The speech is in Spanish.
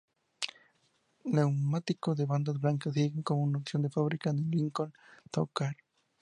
Neumáticos de bandas blancas siguen como opción de fábrica en el Lincoln Town Car.